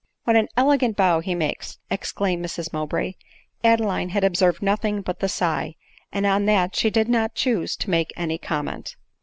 " What an elegant bow he makes !" exclaimed Mrs Mowbray. Adeline had observed nothing but the sigh ; and on that she did not choose to make any comment.